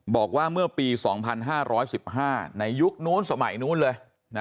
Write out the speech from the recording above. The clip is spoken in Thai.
บอกว่าเมื่อปี๒๕๑๕ในยุคนู้นสมัยนู้นเลย